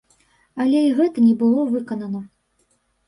Але і гэта не было выканана.